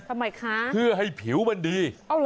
ทำไมคะเพื่อให้ผิวมันดี